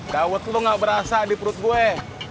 gawat lo gak berasa di perut gue